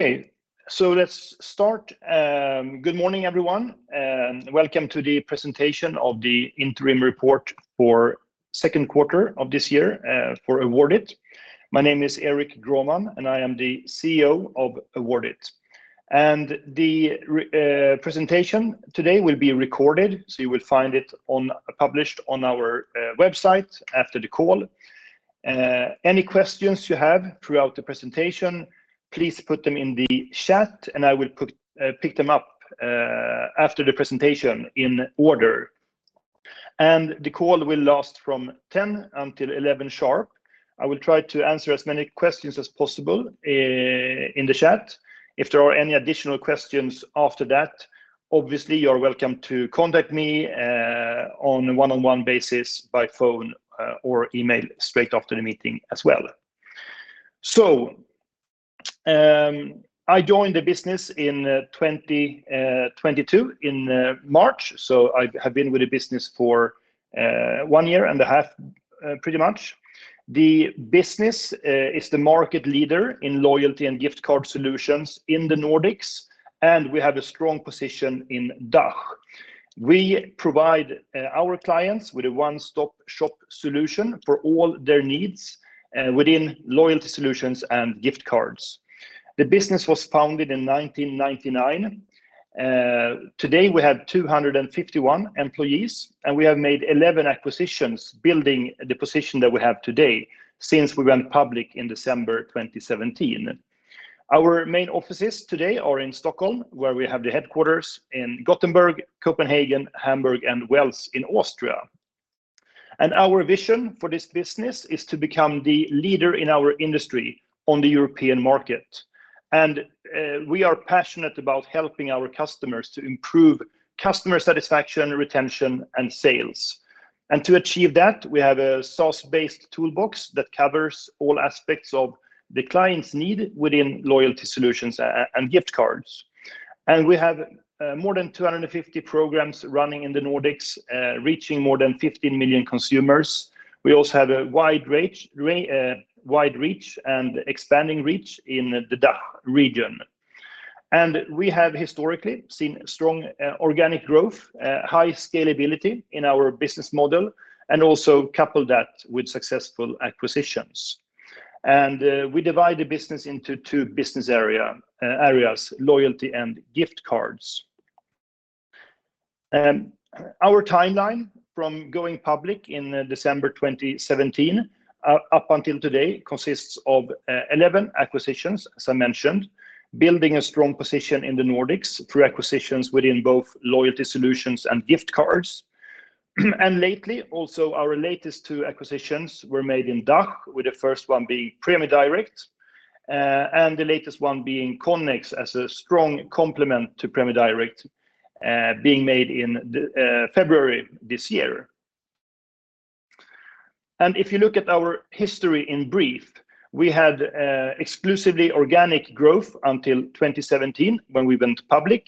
Okay, let's start. Good morning, everyone, and welcome to the presentation of the interim report for second quarter of this year for Awardit. My name is Erik Grohman, and I am the CEO of Awardit. The presentation today will be recorded, so you will find it published on our website after the call. Any questions you have throughout the presentation, please put them in the chat, and I will pick them up after the presentation in order. The call will last from 10 until 11 sharp. I will try to answer as many questions as possible in the chat. If there are any additional questions after that, obviously, you're welcome to contact me on a one-on-one basis by phone or email straight after the meeting as well. I joined the business in 2022, in March, so I have been with the business for one year and a half pretty much. The business is the market leader in loyalty and gift card solutions in the Nordics, and we have a strong position in DACH. We provide our clients with a one-stop shop solution for all their needs within loyalty solutions and gift cards. The business was founded in 1999. Today, we have 251 employees, and we have made 11 acquisitions, building the position that we have today since we went public in December 2017. Our main offices today are in Stockholm, where we have the headquarters in Gothenburg, Copenhagen, Hamburg and Wels in Austria. Our vision for this business is to become the leader in our industry on the European market, and we are passionate about helping our customers to improve customer satisfaction, retention, and sales. To achieve that, we have a source-based toolbox that covers all aspects of the client's need within loyalty solutions and gift cards. We have more than 250 programs running in the Nordics, reaching more than 15 million consumers. We also have a wide reach and expanding reach in the DACH region. We have historically seen strong organic growth, high scalability in our business model, and also coupled that with successful acquisitions. We divide the business into two business area, areas: loyalty and gift cards. Our timeline from going public in December 2017, up until today, consists of 11 acquisitions, as I mentioned, building a strong position in the Nordics through acquisitions within both loyalty solutions and gift cards. Lately, also, our latest two acquisitions were made in DACH, with the first one being Pramie Direkt, and the latest one being Connex as a strong complement to Pra```mie Direkt, being made in the February this year. If you look at our history in brief, we had exclusively organic growth until 2017, when we went public,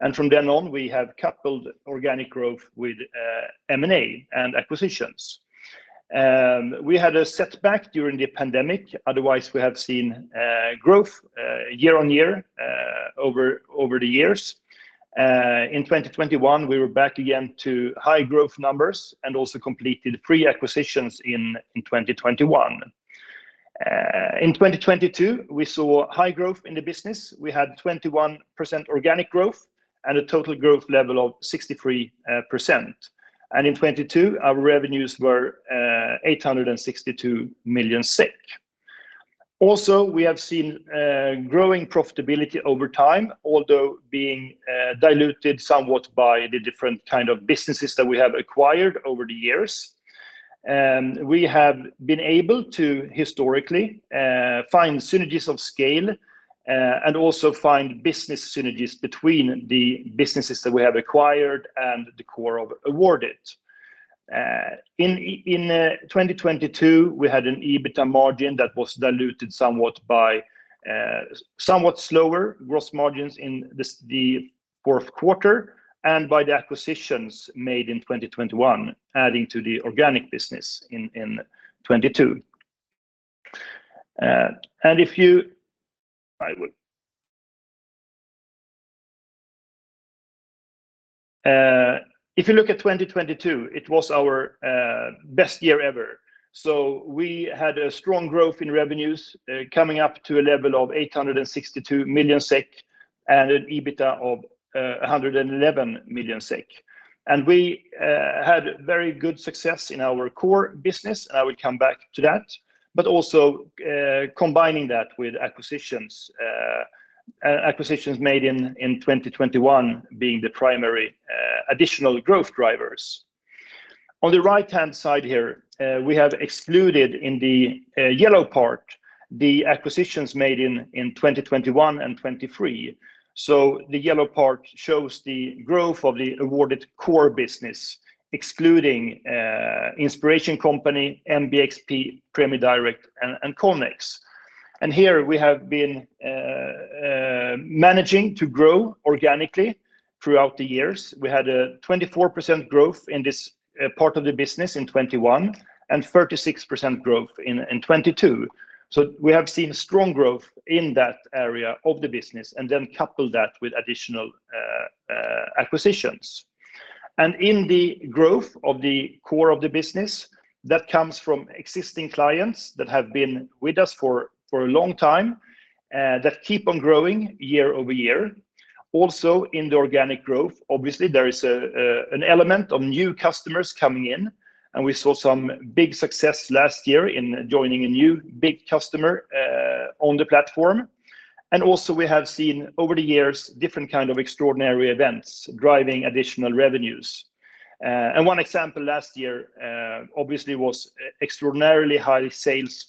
and from then on, we have coupled organic growth with M&A and acquisitions. We had a setback during the pandemic. Otherwise, we have seen growth year-over-year over the years. In 2021, we were back again to high growth numbers and also completed three acquisitions in 2021. In 2022, we saw high growth in the business. We had 21% organic growth and a total growth level of 63%. In 2022, our revenues were 862 million. Also, we have seen growing profitability over time, although being diluted somewhat by the different kind of businesses that we have acquired over the years. We have been able to historically find synergies of scale and also find business synergies between the businesses that we have acquired and the core of Awardit. In 2022, we had an EBITDA margin that was diluted somewhat by somewhat slower gross margins in this, the fourth quarter and by the acquisitions made in 2021, adding to the organic business in 2022. If you look at 2022, it was our best year ever. We had a strong growth in revenues, coming up to a level of 862 million SEK and an EBITDA of 111 million SEK. We had very good success in our core business, and I will come back to that, but also combining that with acquisitions made in 2021 being the primary additional growth drivers. On the right-hand side here, we have excluded in the yellow part, the acquisitions made in 2021 and 2023. The yellow part shows the growth of the Awardit core business, excluding Inspiration Company, MBXP, Pramie Direkt, and Connex. Here we have been managing to grow organically throughout the years, we had a 24% growth in this part of the business in 2021, 36% growth in 2022. We have seen strong growth in that area of the business, then couple that with additional acquisitions. In the growth of the core of the business, that comes from existing clients that have been with us for a long time, that keep on growing year-over-year. In the organic growth, obviously, there is a, an element of new customers coming in, and we saw some big success last year in joining a new big customer, on the platform. We have seen over the years, different kind of extraordinary events, driving additional revenues. One example last year, obviously, was extraordinarily high sales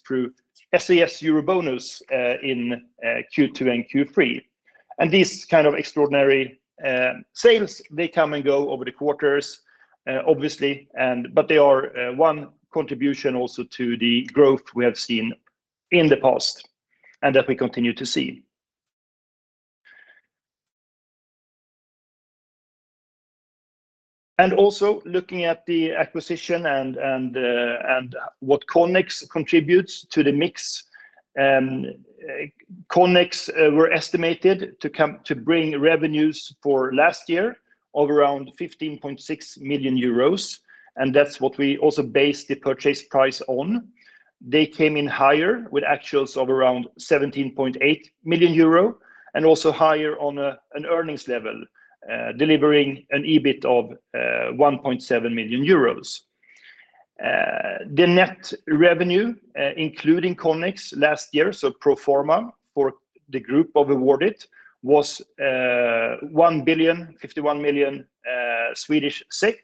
through SAS EuroBonus, in Q2 and Q3. These kind of extraordinary sales, they come and go over the quarters, obviously, and but they are one contribution also to the growth we have seen in the past and that we continue to see. Also looking at the acquisition and what Connex contributes to the mix, Connex were estimated to come to bring revenues for last year of around 15.6 million euros, and that's what we also based the purchase price on. They came in higher with actuals of around 17.8 million euro and also higher on an earnings level, delivering an EBIT of 1.7 million euros. The net revenue, including Connex last year, so pro forma for the group of Awardit, was 1,051 million Swedish SEK,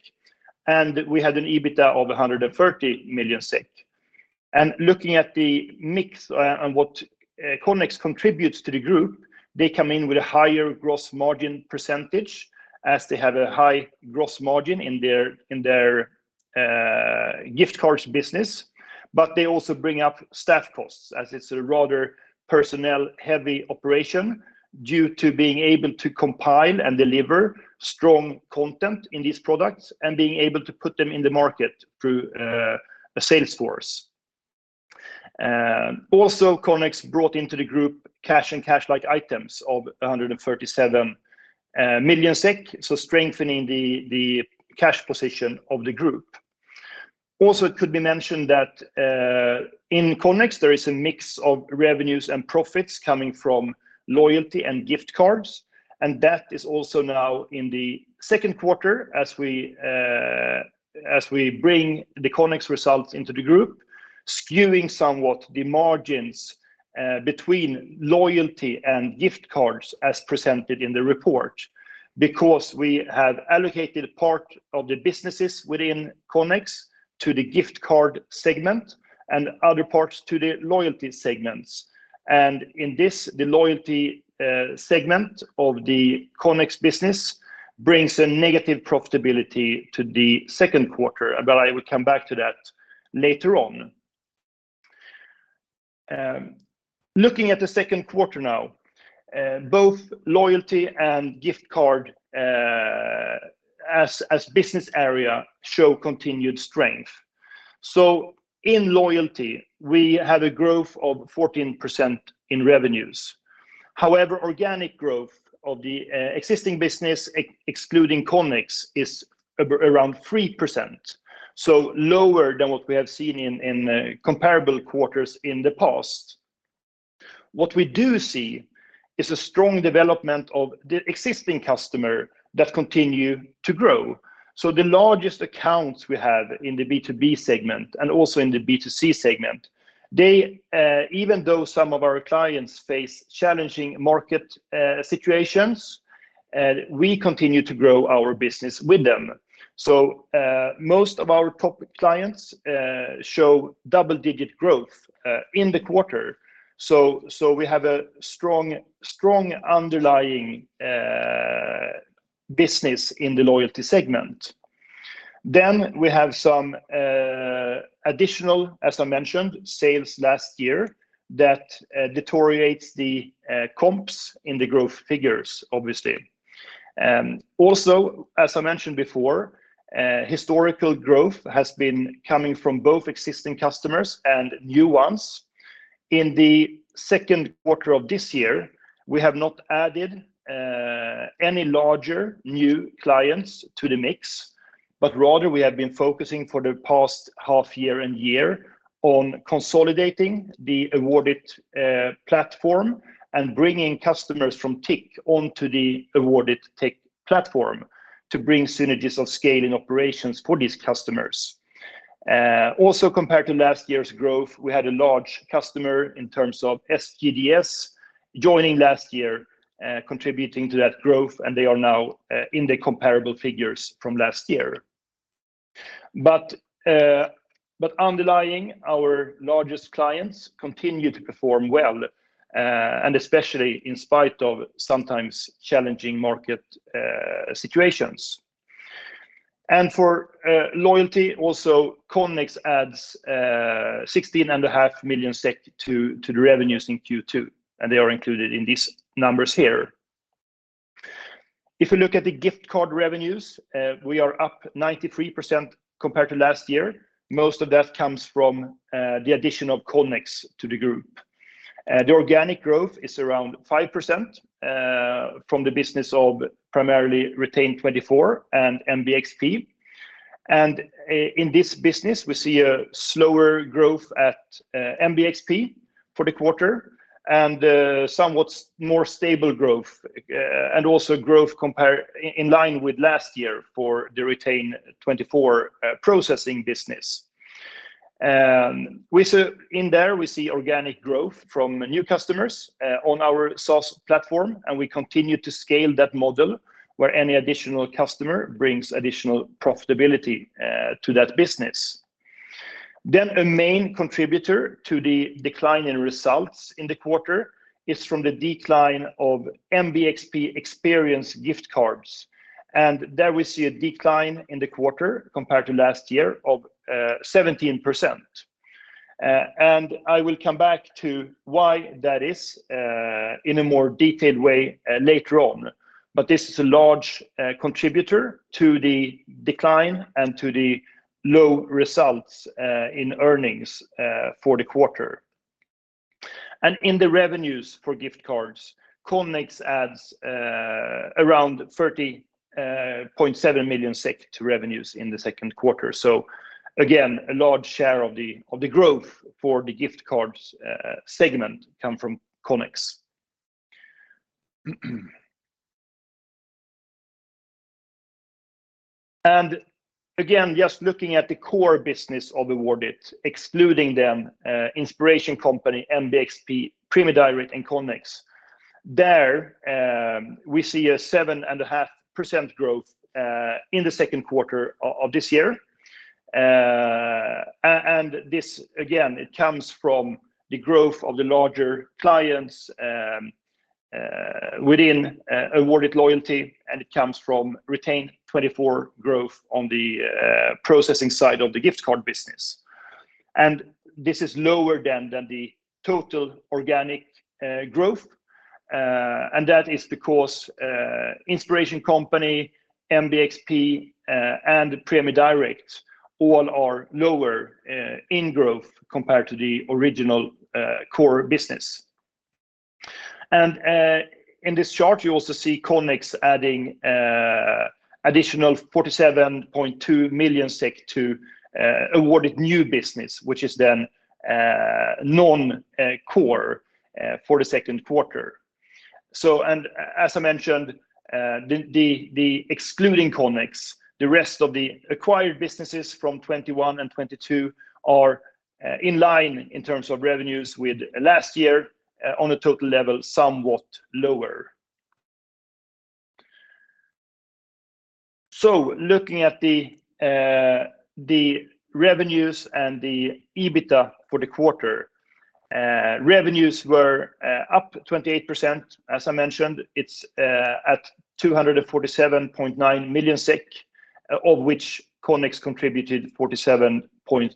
and we had an EBITDA of 130 million SEK. Looking at the mix, and what Connex contributes to the group, they come in with a higher gross margin % as they have a high gross margin in their, in their, gift cards business. They also bring up staff costs, as it's a rather personnel-heavy operation due to being able to compile and deliver strong content in these products and being able to put them in the market through, a sales force. Connex brought into the group cash and cash-like items of 137 million SEK, so strengthening the, the cash position of the group. Also, it could be mentioned that in Connex, there is a mix of revenues and profits coming from Loyalty and Gift Card, and that is also now in Q2 as we, as we bring the Connex results into the group, skewing somewhat the margins between Loyalty and Gift Card as presented in the report. Because we have allocated part of the businesses within Connex to the Gift Card segment and other parts to the Loyalty segments. In this, the Loyalty segment of the Connex business brings a negative profitability to Q2, but I will come back to that later on. Looking at Q2 now, both Loyalty and Gift Card, as, as business area, show continued strength. In Loyalty, we had a growth of 14% in revenues. Organic growth of the existing business, excluding Connex, is around 3%, so lower than what we have seen in comparable quarters in the past. What we do see is a strong development of the existing customer that continue to grow. The largest accounts we have in the B2B segment and also in the B2C segment, they, even though some of our clients face challenging market situations, we continue to grow our business with them. Most of our top clients show double-digit growth in the quarter. We have a strong, strong underlying business in the loyalty segment. We have some additional, as I me``ntioned, sales last year, that deteriorates the comps in the growth figures, obviously. Also, as I mentioned before, historical growth has been coming from both existing customers and new ones. In the second quarter of this year, we have not added any larger new clients to the mix, but rather, we have been focusing for the past half-year and year on consolidating the Awardit platform and bringing customers from TIC onto the Awardit TIC platform to bring synergies of scaling operations for these customers. Also, compared to last year's growth, we had a large customer in terms of SGDS joining last year, contributing to that growth, and they are now in the comparable figures from last year. Underlying, our largest clients continue to perform well and especially in spite of sometimes challenging market situations. For loyalty, also, Connex adds 16.5 million SEK to the revenues in Q2, and they are included in these numbers here. If you look at the gift card revenues, we are up 93% compared to last year. Most of that comes from the addition of Connex to the group. The organic growth is around 5% from the business of primarily Retain24 and MBXP. In this business, we see a slower growth at MBXP for the quarter and somewhat more stable growth and also growth in line with last year for the Retain24 processing business. In there, we see organic growth from new customers on our SaaS platform, and we continue to scale that model, where any additional customer brings additional profitability to that business. A main contributor to the decline in results in the quarter is from the decline of MBXP experience gift cards. There we see a decline in the quarter, compared to last year, of 17%. I will come back to why that is in a more detailed way later on. This is a large contributor to the decline and to the low results in earnings for the quarter. In the revenues for gift cards, Connex adds around 30.7 million SEK to revenues in the second quarter. Again, a large share of the, of the growth for the gift card segment come from Connex. Again, just looking at the core business of Awardit, excluding them, Inspiration Company, MBXP, pramie Direkt, and Connex. There, we see a 7.5% growth in the second quarter of this year. This, again, it comes from the growth of the larger clients within Awardit Loyalty, and it comes from Retain24 growth on the processing side of the gift card business. This is lower than, than the total organic growth. That is because Inspiration Company, MBXP, and PremieDirekt all are lower in growth compared to the original core business. In this chart, you also see Connex adding additional 47.2 million SEK to Awardit new business, which is then non-core for the second quarter. And as I mentioned, the excluding Connex, the rest of the acquired businesses from 2021 and 2022 are in line in terms of revenues with last year, on a total level, somewhat lower. Looking at the revenues and the EBITDA for the quarter, revenues were up 28%. As I mentioned, it's at 247.9 million SEK, of which Connex contributed 47.2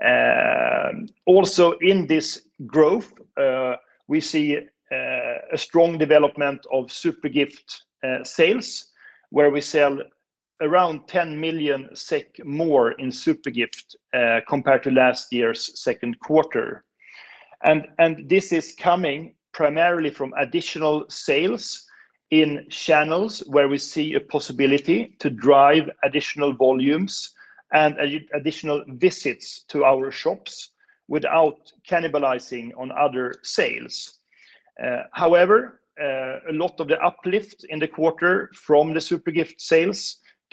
million. Also in this growth, we see a strong development of Zupergift sales, where we sell around 10 million SEK more in Zupergift compared to last year's second quarter. And this is coming primarily from additional sales in channels where we see a possibility to drive additional volumes and additional visits to our shops without cannibalizing on other sales. However, a lot of the uplift in the quarter from the Zupergift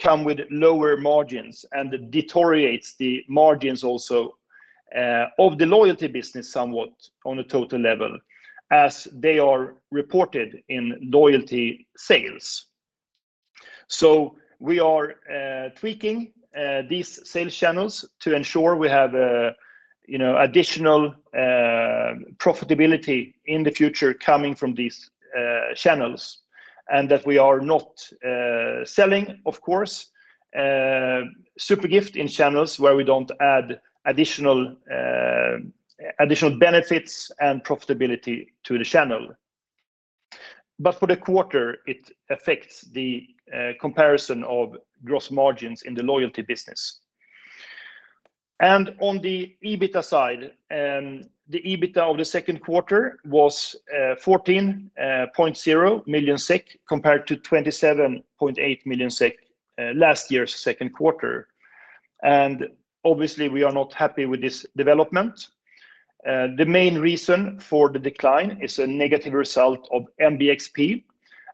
sales come with lower margins and deteriorates the margins also of the loyalty business, somewhat on a total level, as they are reported in loyalty sales. We are tweaking these sales channels to ensure we have a, you know, additional profitability in the future coming from these channels. That we are not selling, of course, Zupergift in channels where we don't add additional benefits and profitability to the channel. For the quarter, it affects the comparison of gross margins in the loyalty business. On the EBITDA side, the EBITDA of the second quarter was 14.0 million SEK, compared to 27.8 million SEK last year's second quarter. Obviously, we are not happy with this development. The main reason for the decline is a negative result of MBXP,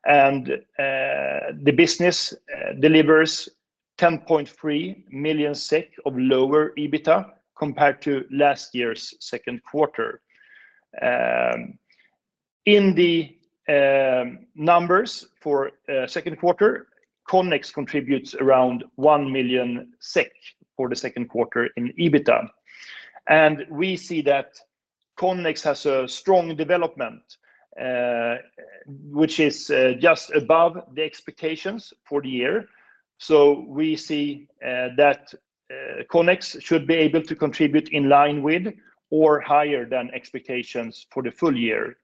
and the business delivers 10.3 million SEK of lower EBITDA compared to last year's second quarter. In the numbers for second quarter, Connex contributes around 1 million SEK for the second quarter in EBITDA. We see that Connex has a strong development, which is just above the expectations for the year. We see that Connex should be able to contribute in line with or higher than expectations for the full year,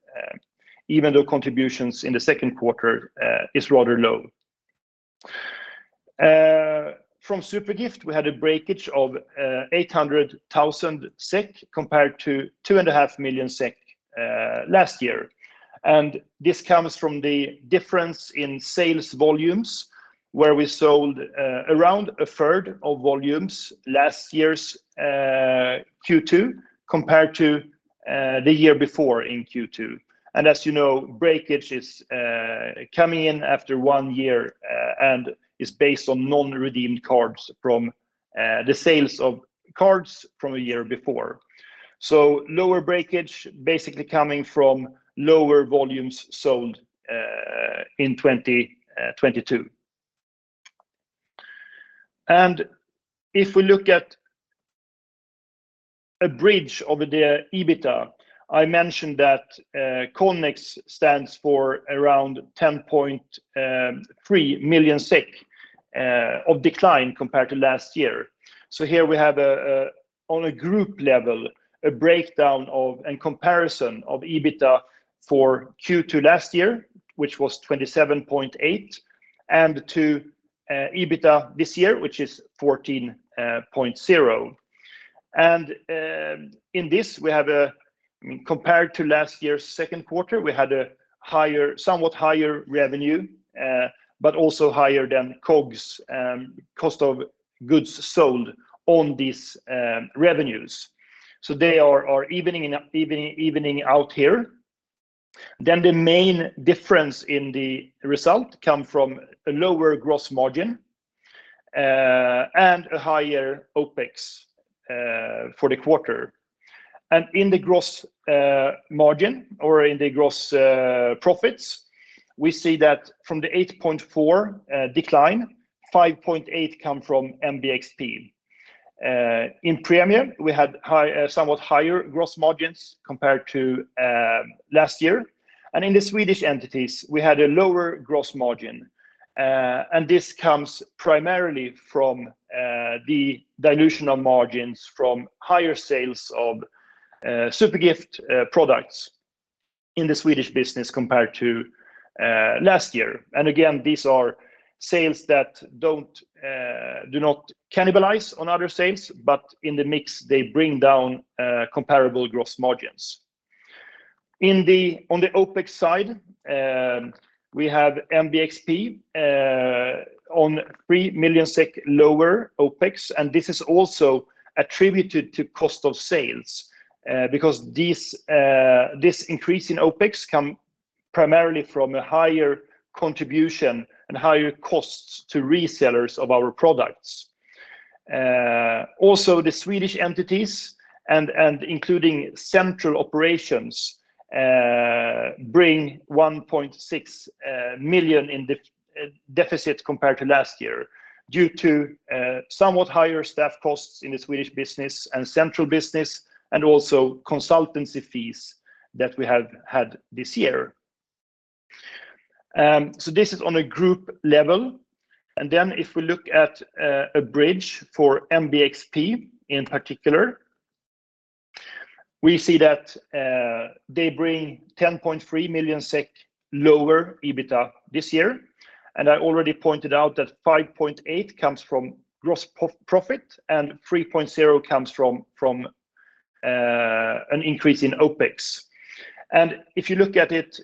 even though contributions in the second quarter is rather low. From Zupergift, we had a breakage of 800,000 SEK, compared to 2.5 million SEK last year. This comes from the difference in sales volumes, where we sold around a third of volumes last year's Q2, compared to the year before in Q2. As you know, breakage is coming in after one year, and is based on non-redeemed cards from the sales of cards from a year before. Lower breakage, basically coming from lower volumes sold in 2022. If we look at a bridge over the EBITDA, I mentioned that Connex stands for around 10.3 million of decline compared to last year. Here we have on a group level, a breakdown of and comparison of EBITDA for Q2 last year, which was 27.8 million, and to EBITDA this year, which is 14.0 million. In this, we have compared to last year's second quarter, we had a higher, somewhat higher revenue, but also higher than COGS, cost of goods sold on these revenues. They are evening out here. The main difference in the result come from a lower gross margin and a higher OpEx for the quarter. In the gross margin or in the gross profits, we see that from the 8.4 decline, 5.8 come from MBXP. In Premier, we had high, somewhat higher gross margins compared to last year. In the Swedish entities, we had a lower gross margin, and this comes primarily from the dilution of margins from higher sales of Zupergift products in the Swedish business compared to last year. Again, these are sales that don't, do not cannibalize on other sales, but in the mix, they bring down comparable gross margins. On the OpEx side, we have MBXP on 3 million SEK, lower OpEx, and this is also attributed to cost of sales, because this increase in OpEx come primarily from a higher contribution and higher costs to resellers of our products. Also, the Swedish entities and including central operations bring 1.6 million in deficit compared to last year, due to somewhat higher staff costs in the Swedish business and central business, and also consultancy fees that we have had this year. This is on a group level. If we look at a bridge for MBXP in particular, we see that they bring 10.3 million SEK lower EBITDA this year. I already pointed out that 5.8 comes from gross profit and 3.0 comes from an increase in OpEx. If you look at it,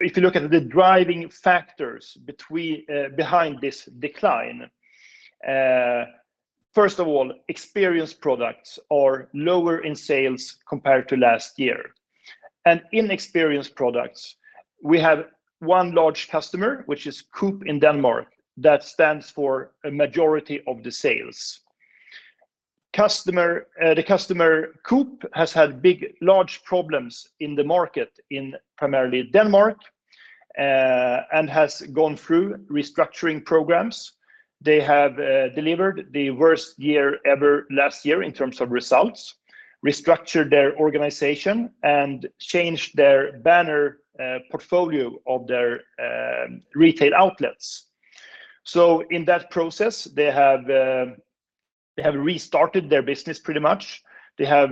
if you look at the driving factors behind this decline, first of all, Experience products are lower in sales compared to last year. In Experience products, we have one large customer, which is Coop in Denmark, that stands for a majority of the sales. Customer, the customer, Coop, has had big, large problems in the market in primarily Denmark and has gone through restructuring programs. They have delivered the worst year ever last year in terms of results, restructured their organization, and changed their banner portfolio of their retail outlets. In that process, they have, they have restarted their business pretty much. They have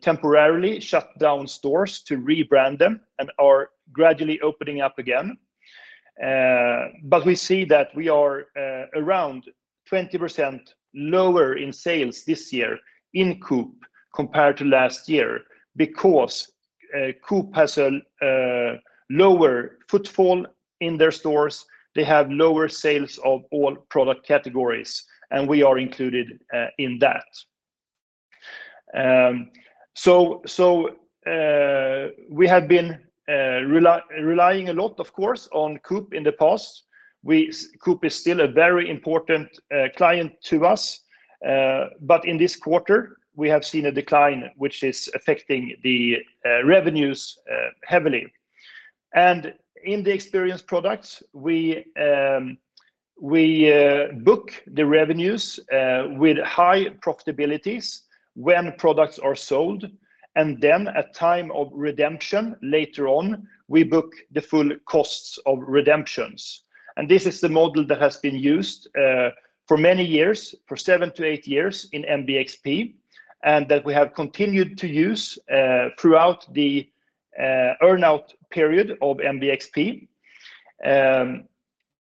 temporarily shut down stores to rebrand them and are gradually opening up again. But we see that we are around 20% lower in sales this year in Coop compared to last year, because Coop has a lower footfall in their stores. They have lower sales of all product categories, and we are included in that. So, so, we have been relying a lot, of course, on Coop in the past. Coop is still a very important client to us, but in this quarter, we have seen a decline, which is affecting the revenues heavily. In the experience products, we book the revenues with high profitabilities when products are sold, and then at time of redemption, later on, we book the full costs of redemptions. This is the model that has been used for many years, for 7-8 years in MBXP, and that we have continued to use throughout the earn-out period of MBXP.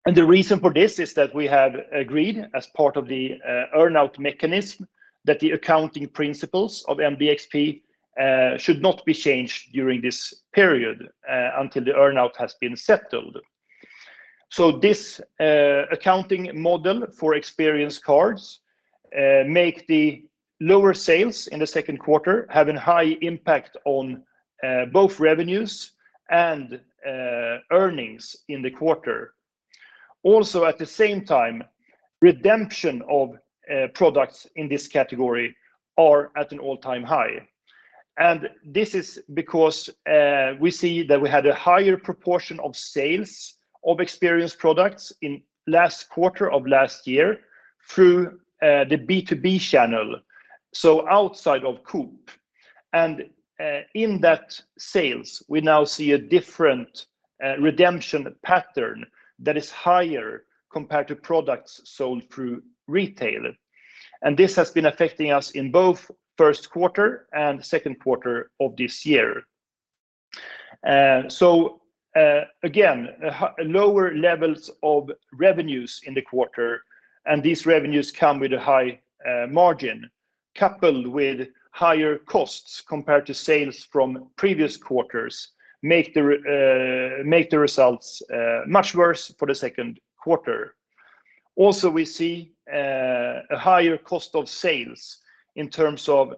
The reason for this is that we have agreed, as part of the earn-out mechanism, that the accounting principles of MBXP should not be changed during this period, until the earn-out has been settled. This accounting model for experience cards make the lower sales in the second quarter, having high impact on both revenues and earnings in the quarter. At the same time, redemption of products in this category are at an all-time high. This is because we see that we had a higher proportion of sales of experience products in last quarter of last year through the B2B channel, so outside of Coop. In that sales, we now see a different redemption pattern that is higher compared to products sold through retail. This has been affecting us in both first quarter and second quarter of this year. Again, lower levels of revenues in the quarter, and these revenues come with a high margin, coupled with higher costs compared to sales from previous quarters, make the results much worse for the second quarter. We see a higher cost of sales in terms of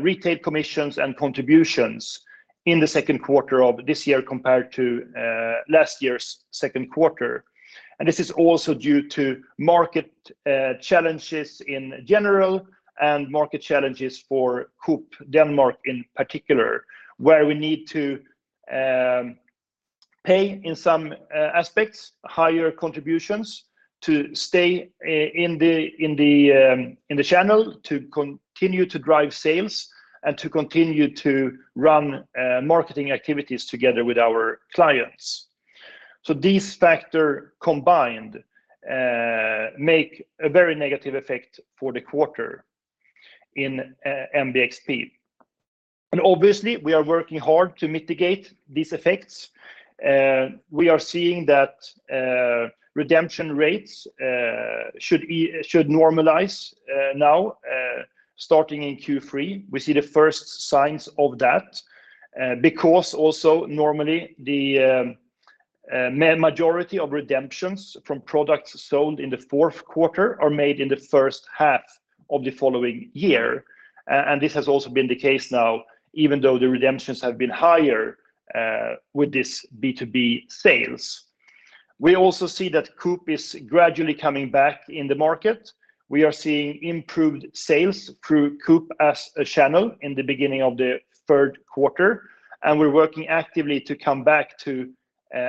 retail commissions and contributions in the second quarter of this year compared to last year's second quarter. This is also due to market challenges in general and market challenges for Coop Denmark in particular, where we need to pay, in some aspects, higher contributions to stay in the channel, to continue to drive sales and to continue to run marketing activities together with our clients. These factor combined make a very negative effect for the quarter in MBXP. Obviously, we are working hard to mitigate these effects. We are seeing that redemption rates should normalize now starting in Q3. We see the first signs of that because also normally, the majority of redemptions from products sold in the fourth quarter are made in the first half of the following year, and this has also been the case now, even though the redemptions have been higher with this B2B sales. We also see that Coop is gradually coming back in the market. We are seeing improved sales through Coop as a channel in the beginning of the third quarter, we're working actively to come back to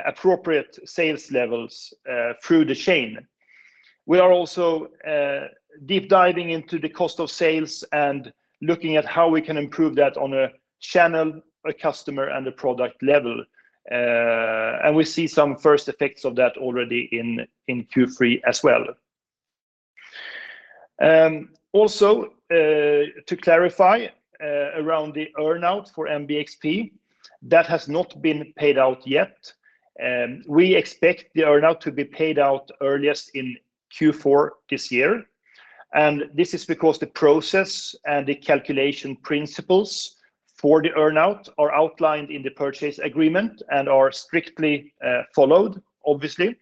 appropriate sales levels through the chain. We are also deep diving into the cost of sales and looking at how we can improve that on a channel, a customer, and a product level, we see some first effects of that already in Q3 as well. Also, to clarify, around the earn-out for MBXP, that has not been paid out yet, we expect the earn-out to be paid out earliest in Q4 this year. This is because the process and the calculation principles for the earn-out are outlined in the purchase agreement and are strictly followed, obviously.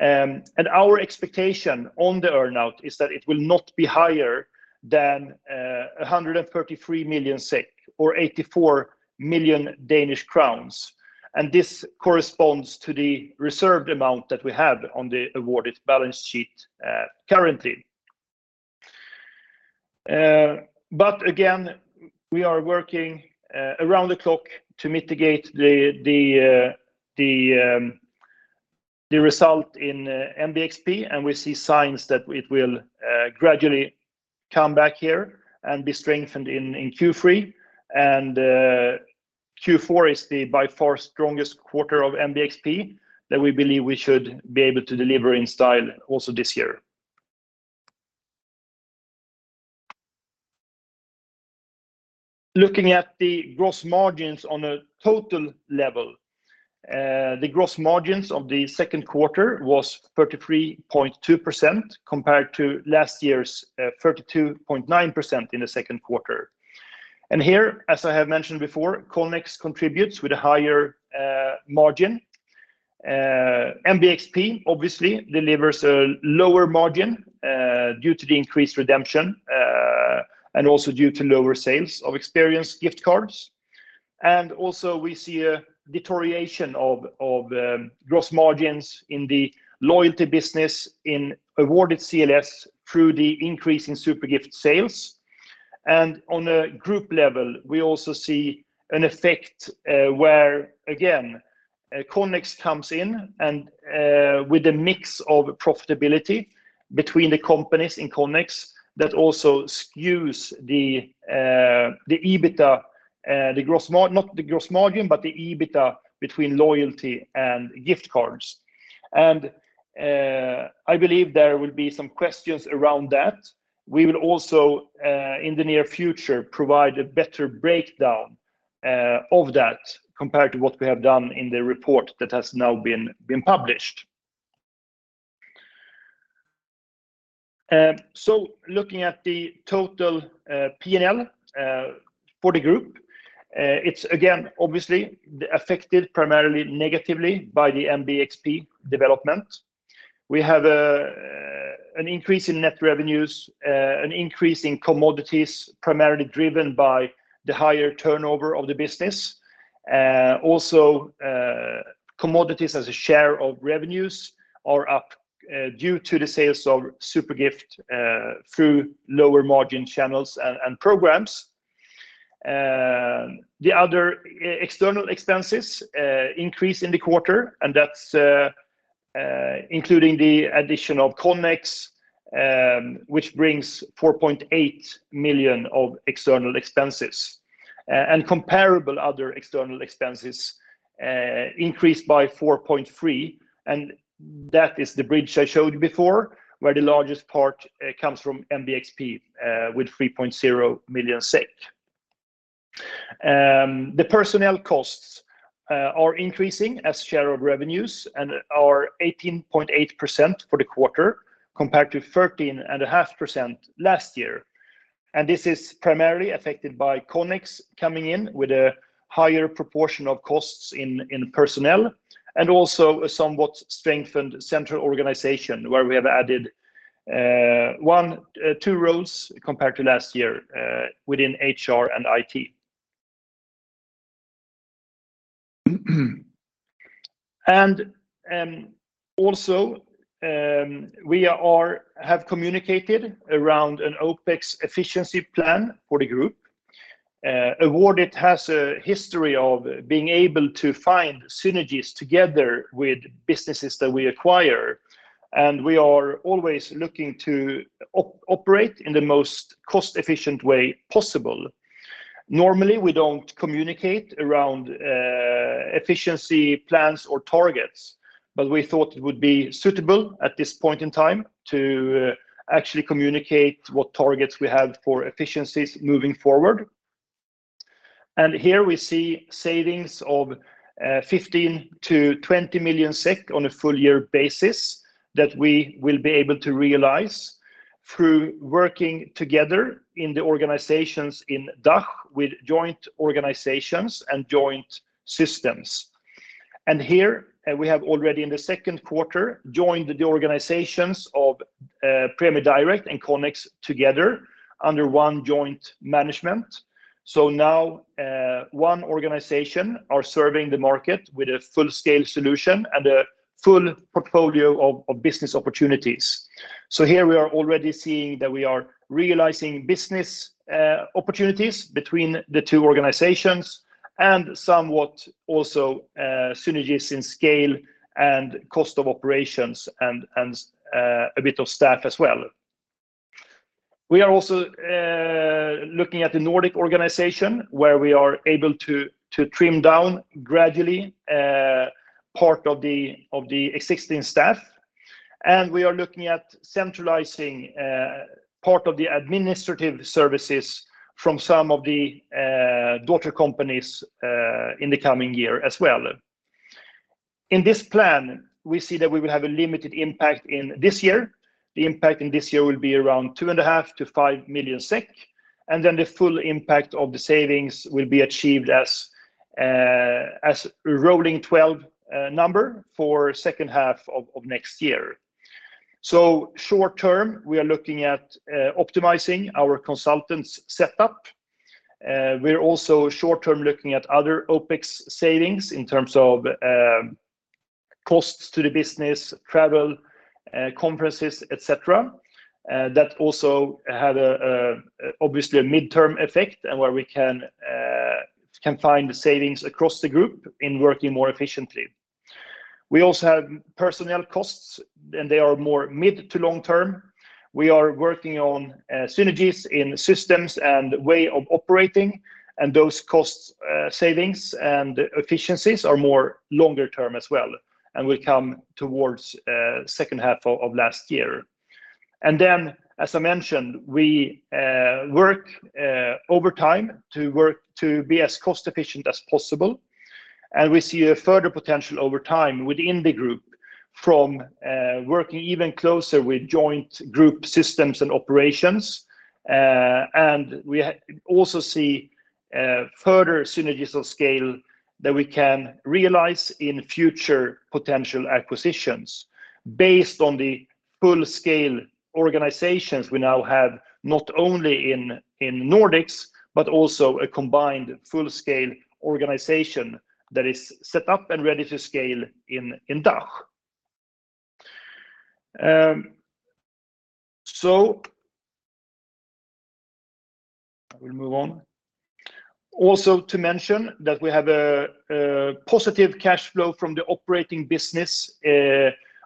Our expectation on the earn-out is that it will not be higher than 133 million SEK or 84 million Danish crowns, this corresponds to the reserved amount that we have on the Awardit balance sheet currently. Again, we are working around the clock to mitigate the result in MBXP, and we see signs that it will gradually come back here and be strengthened in Q3. Q4 is the by far strongest quarter of MBXP, that we believe we should be able to deliver in style also this year. Looking at the gross margins on a total level, the gross margins of the second quarter was 33.2%, compared to last year's 32.9% in the second quarter. Here, as I have mentioned before, Connex contributes with a higher margin. MBXP obviously delivers a lower margin due to the increased redemption, and also due to lower sales of experience gift cards. Also, we see a deterioration of, of gross margins in the loyalty business in Awardit CLS through the increase in Zupergift sales. On a group level, we also see an effect, where Connex comes in and with a mix of profitability between the companies in Connex that also skews the EBITDA, not the gross margin, but the EBITDA between loyalty and gift cards. I believe there will be some questions around that. We will also, in the near future, provide a better breakdown of that compared to what we have done in the report that has now been, been published. Looking at the total PNL for the group, it's again, obviously affected primarily negatively by the MBXP development. We have an increase in net revenues, an increase in commodities, primarily driven by the higher turnover of the business. Also, commodities as a share of revenues are up due to the sales of Zupergift through lower margin channels and programs. The other external expenses increase in the quarter, and that's including the addition of Connex, which brings 4.8 million of external expenses. Comparable other external expenses increased by 4.3, and that is the bridge I showed you before, where the largest part comes from MBXP with 3.0 million SEK. The personnel costs are increasing as share of revenues and are 18.8% for the quarter, compared to 13.5% last year. This is primarily affected by Connex coming in with a higher proportion of costs in, in personnel, and also a somewhat strengthened central organization, where we have added two roles compared to last year within HR and IT. Also, we have communicated around an OpEx efficiency plan for the group. Awardit has a history of being able to find synergies together with businesses that we acquire, and we are always looking to operate in the most cost-efficient way possible. Normally, we don't communicate around efficiency plans or targets, but we thought it would be suitable at this point in time to actually communicate what targets we have for efficiencies moving forward. Here we see savings of 15 million-20 million SEK on a full year basis, that we will be able to realize through working together in the organizations in DACH with joint organizations and joint systems. Here, we have already in the second quarter, joined the organizations of PremieDirekt and Connex together under one joint management. Now, one organization are serving the market with a full-scale solution and a full portfolio of business opportunities. Here we are already seeing that we are realizing business opportunities between the two organizations and somewhat also synergies in scale and cost of operations and a bit of staff as well. We are also looking at the Nordic organization, where we are able to, to trim down gradually, part of the, of the existing staff, and we are looking at centralizing, part of the administrative services from some of the, daughter companies, in the coming year as well. In this plan, we see that we will have a limited impact in this year. The impact in this year will be around 2.5 million-5 million SEK, and then the full impact of the savings will be achieved as a, as a rolling 12 number for second half of next year. Short term, we are looking at optimizing our consultants' setup. We're also short term looking at other OpEx savings in terms of costs to the business, travel, conferences, et cetera. That also have obviously a midterm effect and where we can find the savings across the group in working more efficiently. We also have personnel costs, they are more mid to long term. We are working on synergies in systems and way of operating, those cost savings and efficiencies are more longer term as well, will come towards second half of last year. As I mentioned, we work over time to work to be as cost efficient as possible, we see a further potential over time within the group from working even closer with joint group systems and operations. We also see further synergies of scale that we can realize in future potential acquisitions based on the full-scale organizations we now have, not only in Nordics, but also a combined full-scale organization that is set up and ready to scale in DACH. I will move on. Also, to mention that we have a positive cash flow from the operating business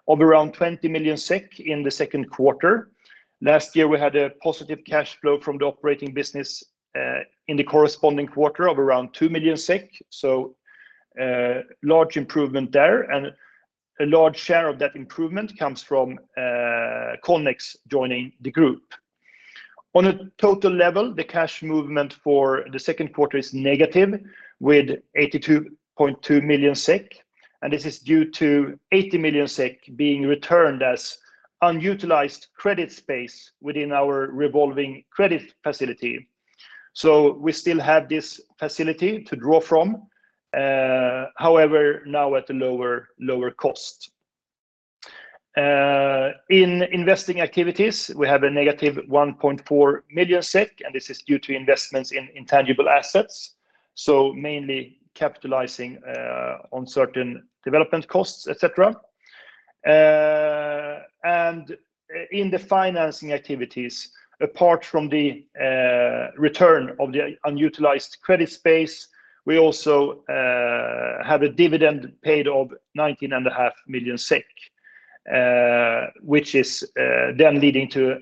of around 20 million SEK in the second quarter. Last year, we had a positive cash flow from the operating business in the corresponding quarter of around 2 million. A large improvement there, and a large share of that improvement comes from Conex joining the group. On a total level, the cash movement for the second quarter is negative, with 82.2 million SEK, and this is due to 80 million SEK being returned as unutilized credit space within our revolving credit facility. We still have this facility to draw from, however, now at a lower, lower cost. In investing activities, we have a negative 1.4 million SEK, and this is due to investments in intangible assets, so mainly capitalizing on certain development costs, et cetera. In the financing activities, apart from the return of the unutilized credit space, we also have a dividend paid of 19.5 million SEK, which is then leading to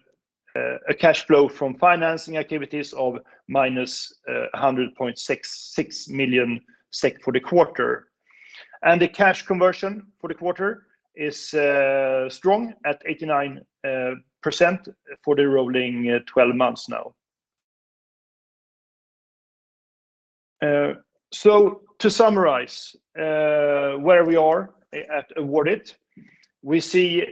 a cash flow from financing activities of minus 100.66 million SEK for the quarter. The cash conversion for the quarter is strong at 89% for the rolling 12 months now. To summarize where we are at Awardit, we see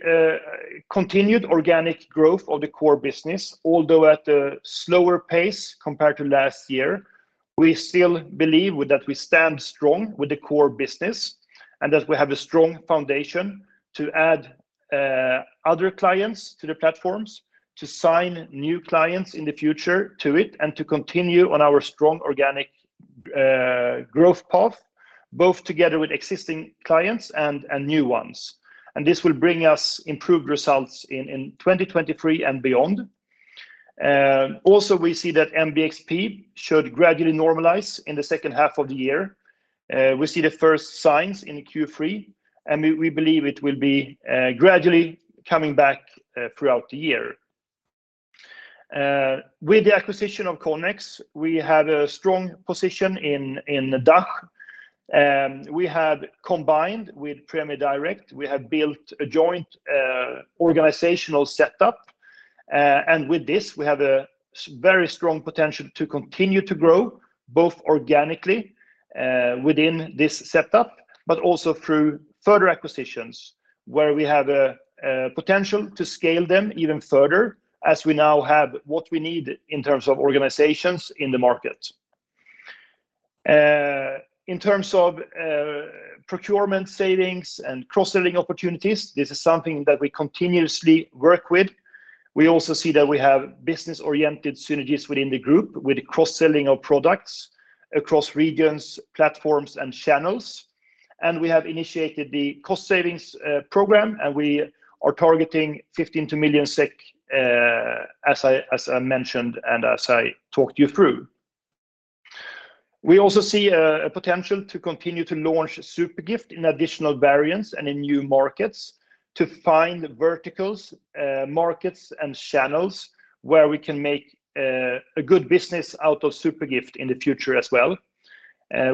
continued organic growth of the core business, although at a slower pace compared to last year. We still believe that we stand strong with the core business and that we have a strong foundation to add other clients to the platforms, to sign new clients in the future to it, and to continue on our strong organic growth path, both together with existing clients and new ones. This will bring us improved results in 2023 and beyond. Also, we see that MBXP should gradually normalize in the second half of the year. We see the first signs in Q3, and we, we believe it will be gradually coming back throughout the year. With the acquisition of Connex, we have a strong position in the DACH, we have combined with Premier Direct, we have built a joint organizational setup. And with this, we have a very strong potential to continue to grow, both organically, within this setup, but also through further acquisitions, where we have a potential to scale them even further as we now have what we need in terms of organizations in the market. In terms of procurement savings and cross-selling opportunities, this is something that we continuously work with. We also see that we have business-oriented synergies within the group, with cross-selling of products across regions, platforms, and channels. We have initiated the cost savings program, and we are targeting 15 to 20 million as I, as I mentioned, and as I talked you through. We also see a potential to continue to launch Zupergift in additional variants and in new markets to find verticals, markets, and channels where we can make a good business out of Zupergift in the future as well.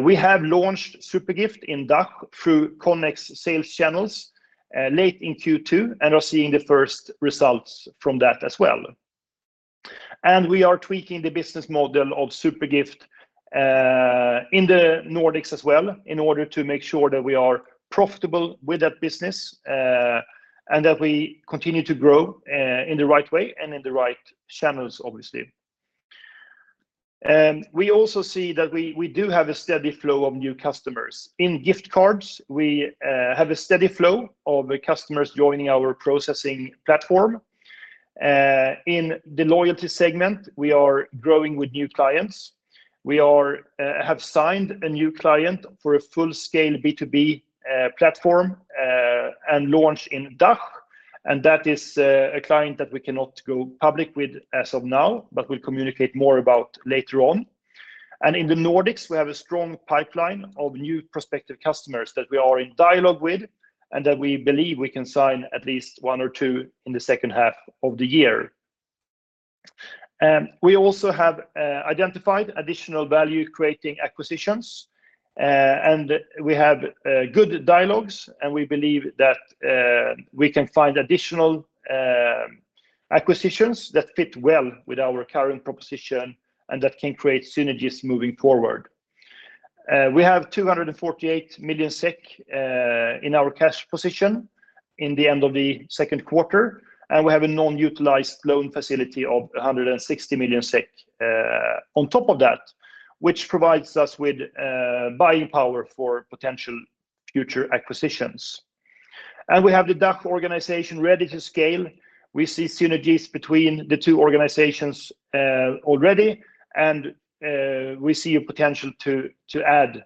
We have launched Zupergift in DACH through Connex sales channels late in Q2, and are seeing the first results from that as well. We are tweaking the business model of Zupergift in the Nordics as well, in order to make sure that we are profitable with that business, and that we continue to grow in the right way and in the right channels, obviously. We also see that we, we do have a steady flow of new customers. In gift cards, we have a steady flow of customers joining our processing platform. In the loyalty segment, we are growing with new clients. We are, have signed a new client for a full-scale B2B platform and launched in DACH, and that is a client that we cannot go public with as of now, but we'll communicate more about later on. In the Nordics, we have a strong pipeline of new prospective customers that we are in dialogue with, and that we believe we can sign at least 1 or 2 in the second half of the year. We also have identified additional value-creating acquisitions. We have good dialogues, and we believe that we can find additional acquisitions that fit well with our current proposition and that can create synergies moving forward. We have 248 million SEK in our cash position in the end of the second quarter, and we have a non-utilized loan facility of 160 million SEK on top of that, which provides us with buying power for potential future acquisitions. We have the DACH organization ready to scale. We see synergies between the two organizations already, and we see a potential to add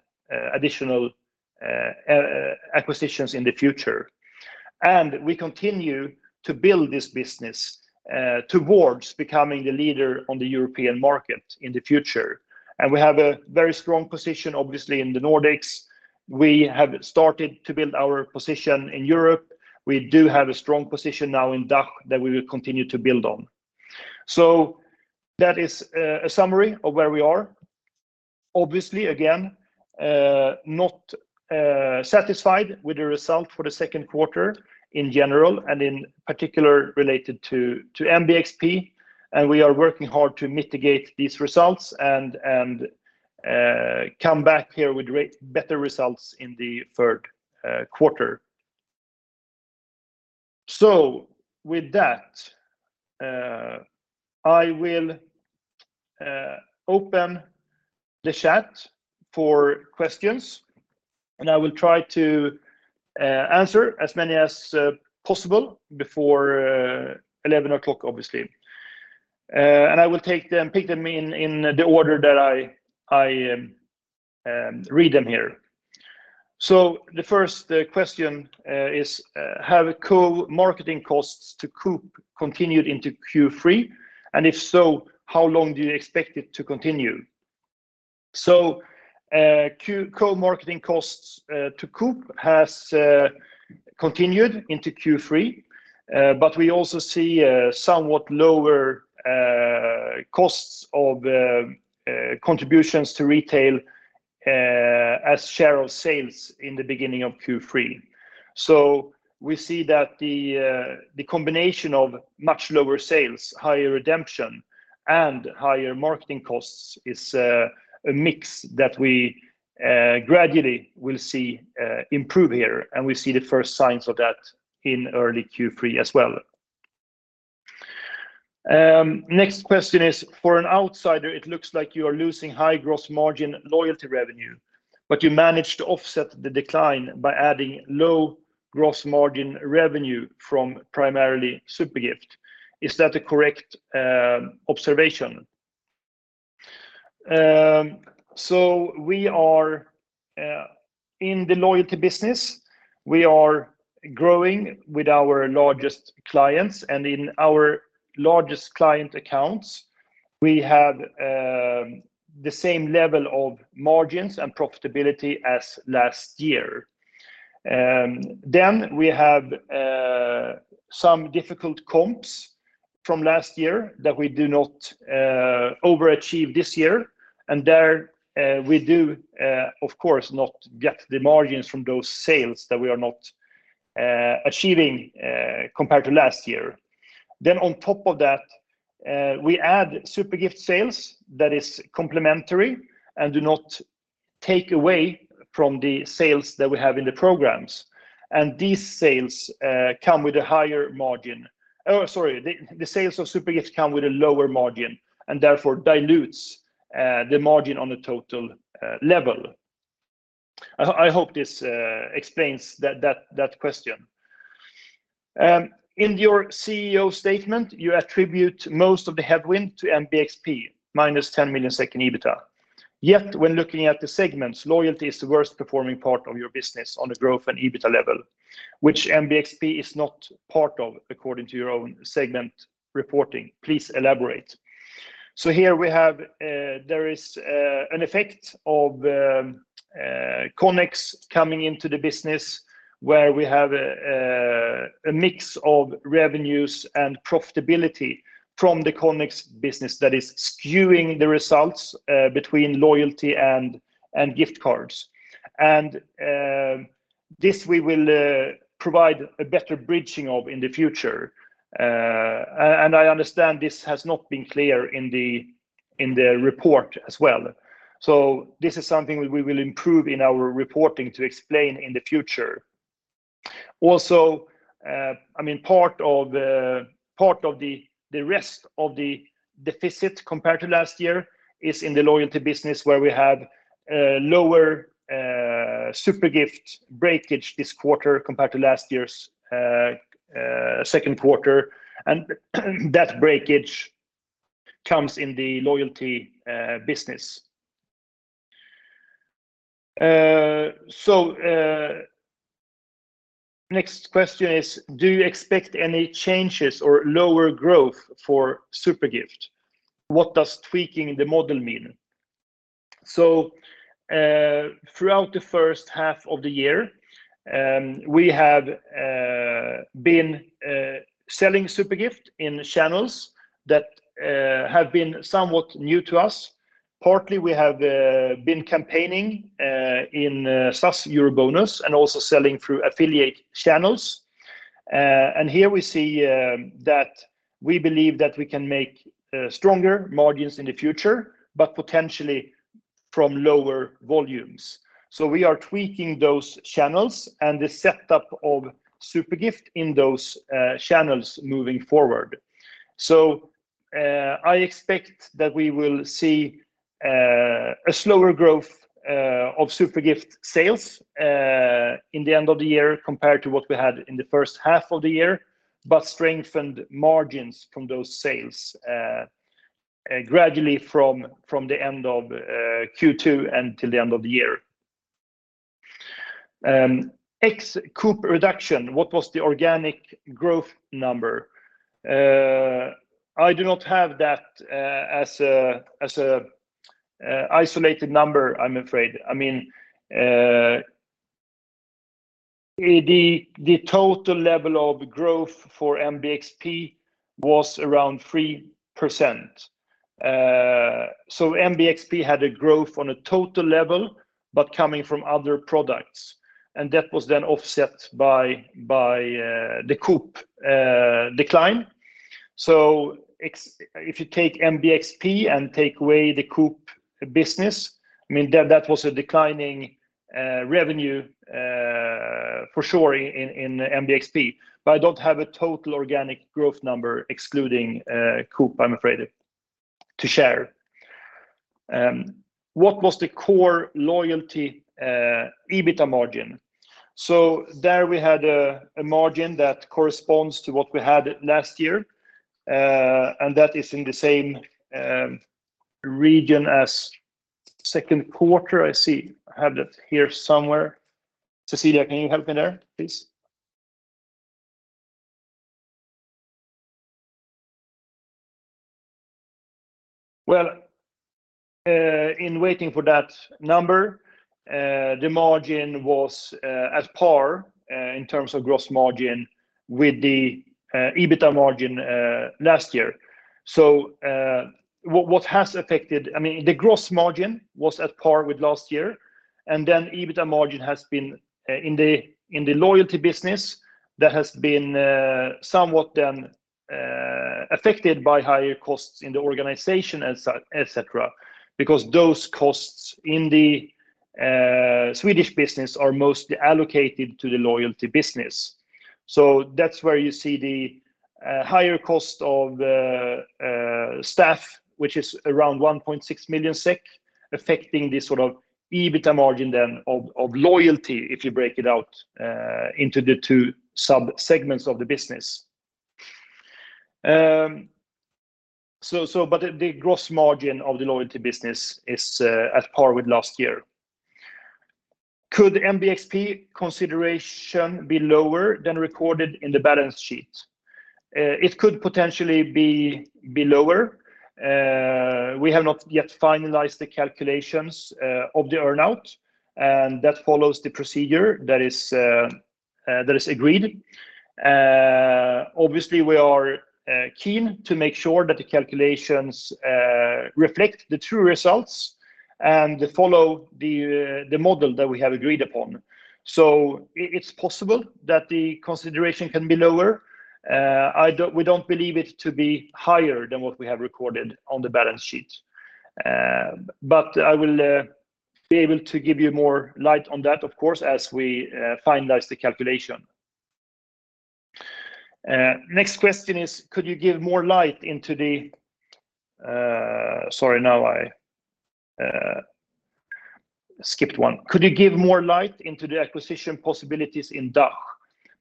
additional acquisitions in the future. We continue to build this business towards becoming the leader on the European market in the future. We have a very strong position, obviously, in the Nordics. We have started to build our position in Europe. We do have a strong position now in DACH that we will continue to build on. That is a summary of where we are. Obviously, again, not satisfied with the result for the second quarter in general, and in particular, related to MBXP, and we are working hard to mitigate these results and come back here with better results in the third quarter. With that, I will open the chat for questions, and I will try to answer as many as possible before 11:00 A.M., obviously. I will take them, pick them in the order that I read them here. The first question is, "Have co-marketing costs to Coop continued into Q3, and if so, how long do you expect it to continue?" Co-marketing costs to Coop has continued into Q3. We also see a somewhat lower costs of contributions to retail as share of sales in the beginning of Q3. We see that the combination of much lower sales, higher redemption, and higher marketing costs is a mix that we gradually will see improve here, and we see the first signs of that in early Q3 as well. Next question is: "For an outsider, it looks like you are losing high gross margin loyalty revenue, but you managed to offset the decline by adding low gross margin revenue from primarily Zupergift. Is that a correct observation?" We are in the loyalty business, we are growing with our largest clients, and in our largest client accounts, we have the same level of margins and profitability as last year. We have some difficult comps from last year that we do not overachieve this year, and there we do of course not get the margins from those sales that we are not achieving compared to last year. On top of that, we add Zupergift sales that is complementary and do not take away from the sales that we have in the programs, and these sales come with a higher margin. Oh, sorry, the, the sales of Zupergift come with a lower margin and therefore dilutes the margin on a total level. I, I hope this explains that, that, that question. "In your CEO statement, you attribute most of the headwind to MBXP, minus 10 million EBITDA." When looking at the segments, loyalty is the worst-performing part of your business on a growth and EBITDA level, which MBXP is not part of, according to your own segment reporting. Please elaborate. Here we have, there is an effect of Connex coming into the business, where we have a mix of revenues and profitability from the Connex business that is skewing the results between loyalty and gift cards. This, we will provide a better bridging of in the future. I understand this has not been clear in the report as well. This is something we, we will improve in our reporting to explain in the future. Also, I mean, part of the, part of the, the rest of the deficit compared to last year is in the loyalty business, where we had lower Zupergift breakage this quarter compared to last year's second quarter. That breakage comes in the loyalty business. Next question is: "Do you expect any changes or lower growth for Zupergift? What does tweaking the model mean?" Throughout the first half of the year, we have been selling Zupergift in channels that have been somewhat new to us. Partly, we have been campaigning in SAS EuroBonus and also selling through affiliate channels. Here we see that we believe that we can make stronger margins in the future, but potentially from lower volumes. We are tweaking those channels and the setup of Zupergift in those channels moving forward. I expect that we will see a slower growth of Zupergift sales in the end of the year compared to what we had in the first half of the year, but strengthened margins from those sales gradually from the end of Q2 and till the end of the year. Ex-Coop reduction, what was the organic growth number? I do not have that as a isolated number, I'm afraid. I mean, the total level of growth for MBXP was around 3%. MBXP had a growth on a total level, but coming from other products, and that was then offset by, by the Coop decline. Ex- if you take MBXP and take away the Coop business, I mean, that, that was a declining revenue for sure in MBXP. I don't have a total organic growth number excluding Coop, I'm afraid to share. What was the core loyalty EBITA margin? There we had a margin that corresponds to what we had last year. And that is in the same region as Q2. I see. I have that here somewhere. Cecilia, can you help me there, please? Well, in waiting for that number, the margin was at par in terms of gross margin with the EBITA margin last year. What, what has affected-- I mean, the gross margin was at par with last year, and then EBITA margin has been in the loyalty business, that has been somewhat affected by higher costs in the organization, et cetera, because those costs in the Swedish business are mostly allocated to the loyalty business. That's where you see the higher cost of the staff, which is around 1.6 million SEK, affecting the sort of EBITA margin then of loyalty, if you break it out into the two subsegments of the business. The gross margin of the loyalty business is at par with last year. Could MBXP consideration be lower than recorded in the balance sheet? It could potentially be lower. We have not yet finalized the calculations of the earn-out, and that follows the procedure that is agreed. Obviously, we are keen to make sure that the calculations reflect the true results and follow the model that we have agreed upon. It's possible that the consideration can be lower. I don't-- we don't believe it to be higher than what we have recorded on the balance sheet. I will be able to give you more light on that, of course, as we finalize the calculation. Next question is: Could you give more light into the... Sorry, now I skipped one. Could you give more light into the acquisition possibilities in DACH,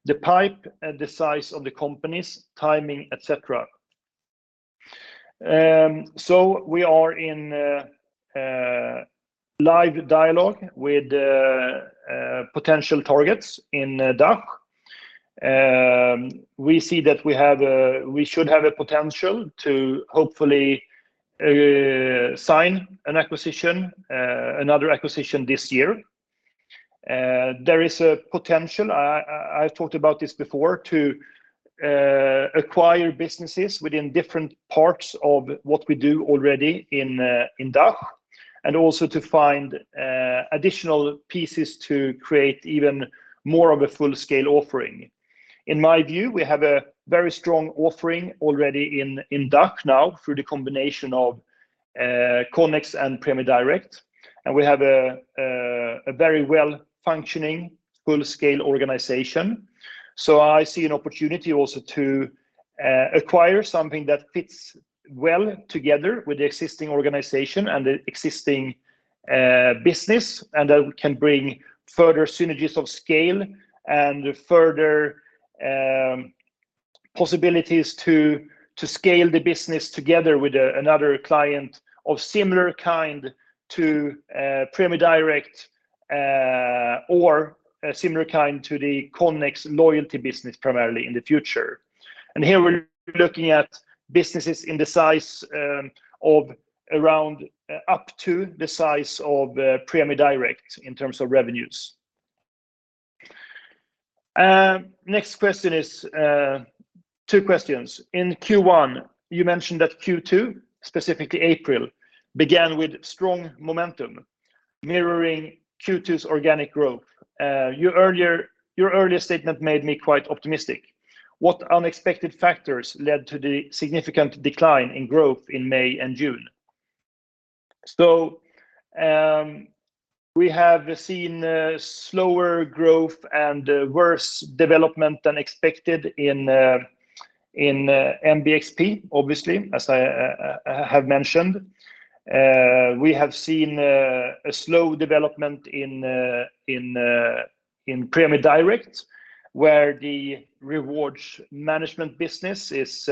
the pipe, the size of the companies, timing, et cetera? We are in a, a live dialogue with potential targets in DACH. We see that we should have a potential to hopefully sign an acquisition, another acquisition this year. There is a potential, I've talked about this before, to acquire businesses within different parts of what we do already in DACH, and also to find additional pieces to create even more of a full-scale offering. In my view, we have a very strong offering already in DACH now, through the combination of Connex and Premier Direct, and we have a very well-functioning, full-scale organization. I see an opportunity also to acquire something that fits well together with the existing organization and the existing business, and that we can bring further synergies of scale and further possibilities to scale the business together with another client of similar kind to Pramie Direkt or a similar kind to the Connex loyalty business, primarily in the future. Here, we're looking at businesses in the size of around, up to the size of Premier Direct in terms of revenues. Next question is 2 questions. In Q1, you mentioned that Q2, specifically April, began with strong momentum, mirroring Q2's organic growth. Your earlier statement made me quite optimistic. What unexpected factors led to the significant decline in growth in May and June? We have seen slower growth and worse development than expected in MBXP, obviously, as I, I, I have mentioned. We have seen a slow development in PremieDirekt, where the rewards management business is,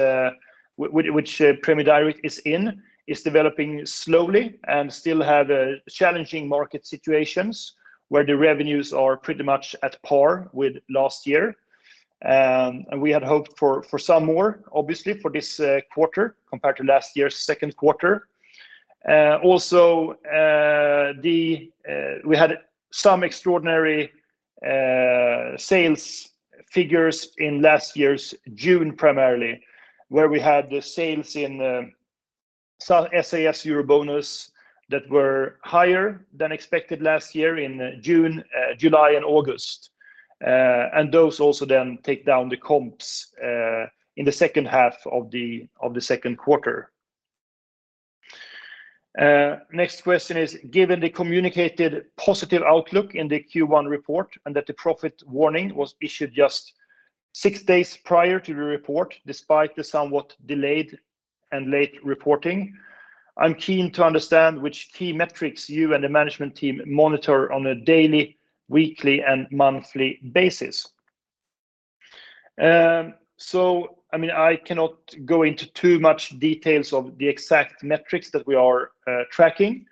which, which PremieDirekt is in, is developing slowly and still have a challenging market situations where the revenues are pretty much at par with last year. We had hoped for, for some more, obviously, for this quarter compared to last year's second quarter. Also, the, we had some extraordinary sales figures in last year's June, primarily, where we had the sales in SAS EuroBonus that were higher than expected last year in June, July and August. Those also then take down the comps in the second half of the, of the second quarter. Next question is: Given the communicated positive outlook in the Q1 report and that the profit warning was issued just 6 days prior to the report, despite the somewhat delayed and late reporting, I mean, I'm keen to understand which key metrics you and the management team monitor on a daily, weekly, and monthly basis. I mean, I cannot go into too much details of the exact metrics that we are tracking.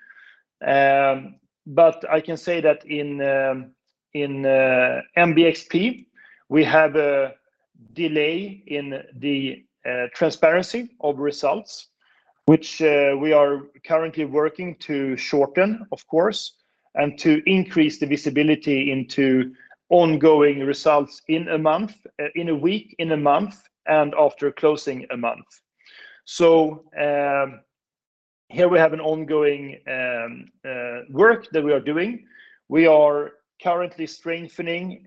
I can say that in, in NBPX, we have a delay in the transparency of results, which we are currently working to shorten, of course, and to increase the visibility into ongoing results in a month... in a week, in a month, and after closing a month. Here we have an ongoing work that we are doing. We are currently strengthening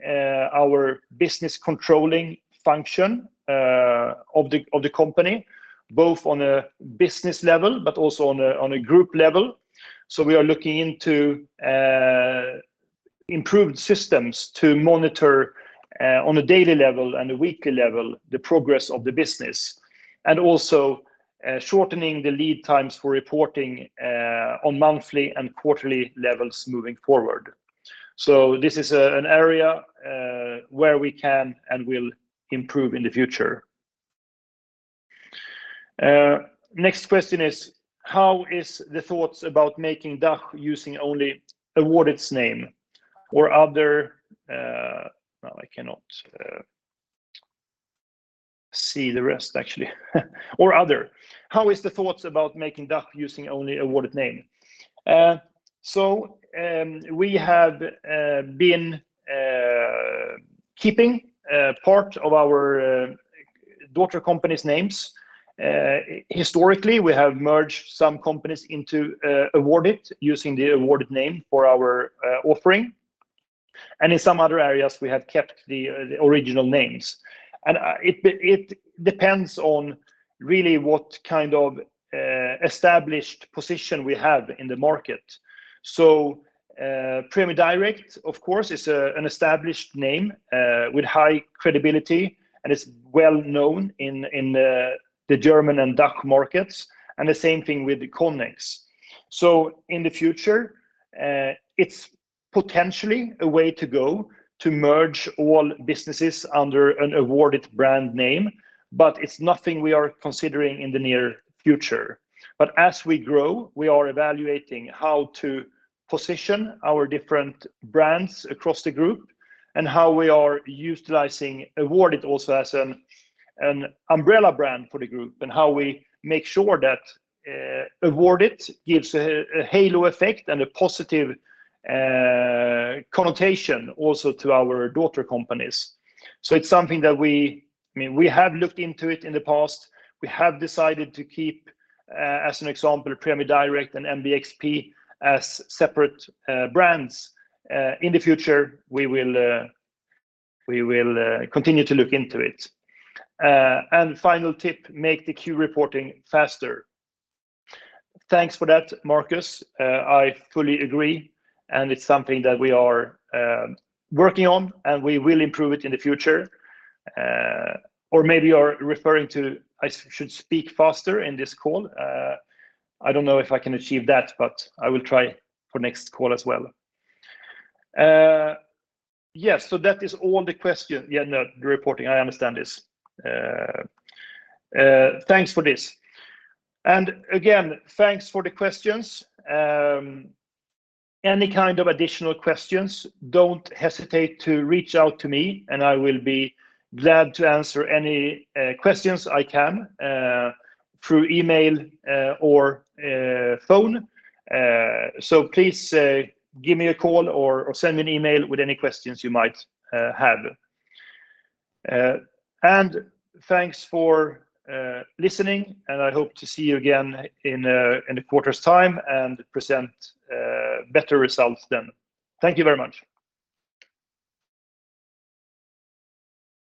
our business controlling function of the company, both on a business level but also on a group level. We are looking into improved systems to monitor on a daily level and a weekly level, the progress of the business, and also shortening the lead times for reporting on monthly and quarterly levels moving forward. This is an area where we can and will improve in the future. Next question is: How is the thoughts about making DACH using only Awardit name or other... No, I cannot see the rest, actually. Or other. How is the thoughts about making DACH using only Awardit name? We have been keeping a part of our daughter companies' names. Historically, we have merged some companies into Awardit, using the Awardit name for our offering, and in some other areas, we have kept the original names. It de- it depends on really what kind of established position we have in the market. PremieDirekt, of course, is an established name with high credibility, and it's well known in the German and DACH markets, and the same thing with the Connex. In the future, it's potentially a way to go to merge all businesses under an Awardit brand name, but it's nothing we are considering in the near future. As we grow, we are evaluating how to position our different brands across the group and how we are utilizing Awardit also as an umbrella brand for the group, and how we make sure that Awardit gives a halo effect and a positive connotation also to our daughter companies. It's something that we. I mean, we have looked into it in the past. We have decided to keep, as an example, PremieDirekt and NBPX as separate brands. In the future, we will continue to look into it. Final tip, make the Q reporting faster. Thanks for that, Marcus. I fully agree, and it's something that we are working on, and we will improve it in the future. Maybe you're referring to I should speak faster in this call. I don't know if I can achieve that, but I will try for next call as well. Yes, that is all the reporting, I understand this. Thanks for this. Again, thanks for the questions. Any kind of additional questions, don't hesitate to reach out to me, and I will be glad to answer any questions I can through email or phone. Please give me a call or send me an email with any questions you might have. Thanks for listening, and I hope to see you again in a quarter's time and present better results then. Thank you very much.